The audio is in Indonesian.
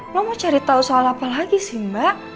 lo mau cari tau soal apa lagi sih mbak